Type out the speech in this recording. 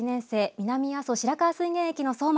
南阿蘇白川水源駅の壮馬さん